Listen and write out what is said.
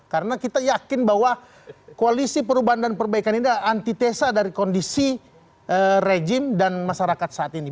karena kita yakin bahwa koalisi perubahan dan perbaikan ini antitesa dari kondisi rejim dan masyarakat saat ini